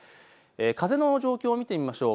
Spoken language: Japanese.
風の状況を見てみましょう。